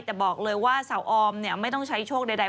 แต่บอกเลยว่าสาวออมเนี่ยไม่ต้องใช้โชคใด